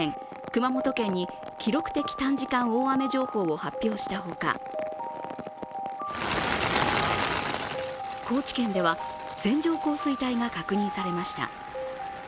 熊本県に記録的短時間大雨情報を発表したほか高知県では線状降水帯が確認されました。